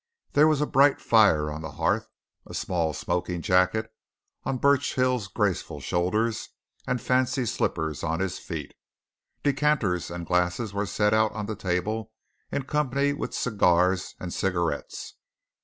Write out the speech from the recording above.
There was a bright fire on the hearth, a small smoking jacket on Burchill's graceful shoulders and fancy slippers on his feet; decanters and glasses were set out on the table in company with cigars and cigarettes.